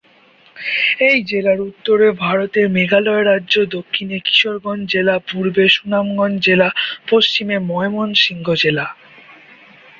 এই জেলার উত্তরে ভারতের মেঘালয় রাজ্য, দক্ষিণে কিশোরগঞ্জ জেলা, পূর্বে সুনামগঞ্জ জেলা, পশ্চিমে ময়মনসিংহ জেলা।